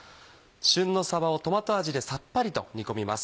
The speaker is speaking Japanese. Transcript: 旬のさばをトマト味でさっぱりと煮込みます。